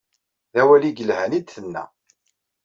D awal i yelhan i d-tenna.